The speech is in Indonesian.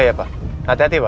hanya ada yang bisa dikira